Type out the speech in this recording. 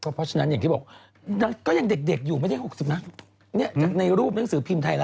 เพราะฉะนั้นอย่างที่บอกนางก็ยังเด็กอยู่ไม่ได้๖๐นะจากในรูปหนังสือพิมพ์ไทยรัฐ